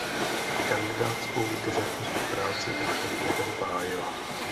Kandidátskou disertační práci ovšem neobhájila.